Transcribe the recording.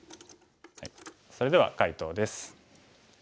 それでは解答です。